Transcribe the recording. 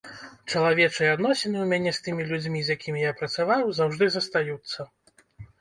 Чалавечыя адносіны ў мяне з тымі людзьмі, з якімі я працаваў, заўжды застаюцца.